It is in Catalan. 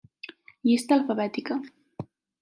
Llista alfabètica.